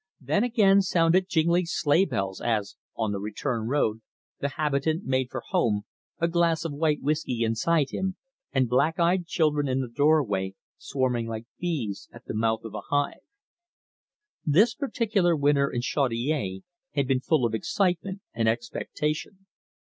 Then again sounded jingling sleigh bells as, on the return road, the habitant made for home, a glass of white whiskey inside him, and black eyed children in the doorway, swarming like bees at the mouth of a hive. This particular winter in Chaudiere had been full of excitement and expectation.